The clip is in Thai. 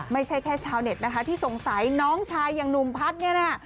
ไม่ใช่แค่ชาวเน็ตนะคะที่สงสัยน้องชายอย่างหนุ่มพัฒน์เนี่ยนะ